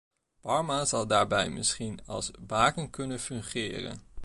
Parma zal daarbij misschien als baken kunnen fungeren.